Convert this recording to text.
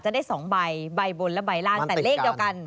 ได้๒ใบใบบนและใบล่างแต่เลขเดียวกัน